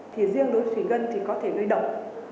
thì riêng đối với thủy ngân thì có thể gây độc